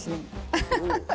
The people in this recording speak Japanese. アハハハ！